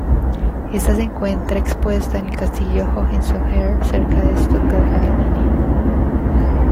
Esta se encuentra expuesta en el Castillo Hohenzollern cerca de Stuttgart, Alemania.